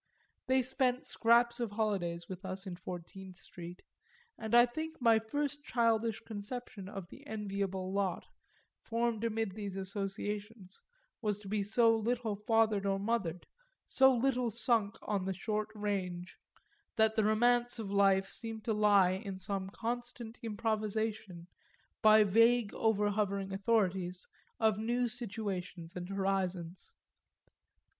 They spent scraps of holidays with us in Fourteenth Street, and I think my first childish conception of the enviable lot, formed amid these associations, was to be so little fathered or mothered, so little sunk in the short range, that the romance of life seemed to lie in some constant improvisation, by vague overhovering authorities, of new situations and horizons.